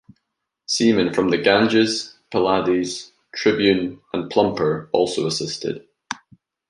Seamen from the "Ganges", "Pylades", "Tribune", and "Plumper" also assisted.